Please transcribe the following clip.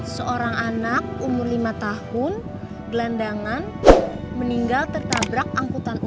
seorang anak umur lima tahun gelandangan meninggal tertabrak angkutan umum